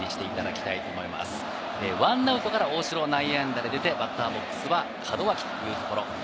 １アウトから大城が内野安打で出て、バッターボックスは門脇というところです。